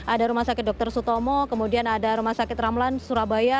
ada rumah sakit dr sutomo kemudian ada rumah sakit ramlan surabaya